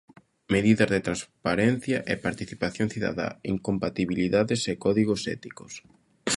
Medidas de transparencia e participación cidadá, incompatibilidades e códigos éticos.